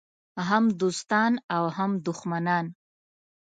هم دوستان او هم دښمنان.